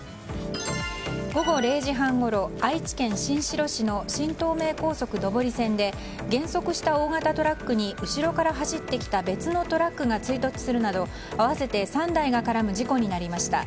午後０時半ごろ、愛知県新城市の新東名高速上り線で減速した大型トラックに後ろから走ってきた別のトラックが追突するなど合わせて３台が絡む事故になりました。